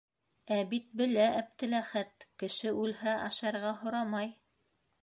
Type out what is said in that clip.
Ә бит белә Әптеләхәт: кеше үлһә, ашарға һорамай.